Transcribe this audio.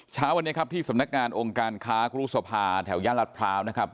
เช้าวันนี้ครับที่สำนักงานองค์การค้ากรุษภาแถวย่านรัฐพร้าวนะครับ